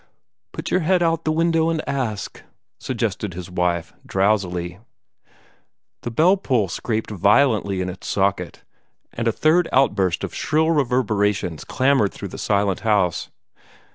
"Put your head out of the window, and ask," suggested his wife, drowsily. The bell pull scraped violently in its socket, and a third outburst of shrill reverberations clamored through the silent house.